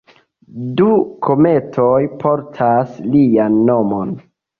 Du kometoj portas lian nomon.